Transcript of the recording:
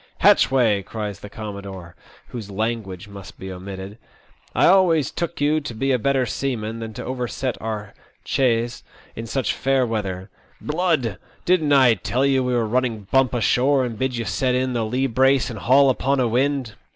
*' Hatchway," cries the commodore, whose "language" must be omitted, " I always took you to be a better seaman than to overset our chaise in such fair weather. Blood ! Didn't I tell you we were running bump ashore, and bid you set in the lee brace and haul upon a wind?"